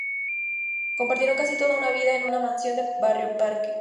Compartieron casi toda una vida en una mansión en Barrio Parque.